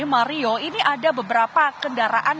mario ini ada beberapa kendaraan